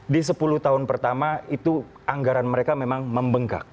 di sepuluh tahun pertama itu anggaran mereka memang membengkak